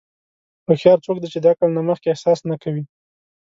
هوښیار څوک دی چې د عقل نه مخکې احساس نه کوي.